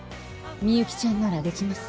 みゆきちゃんならできます